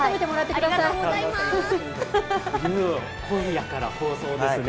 いよいよ今夜から放送ですね。